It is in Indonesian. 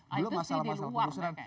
belum masalah masalah pengusuran